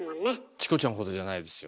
チコちゃんほどじゃないですよ。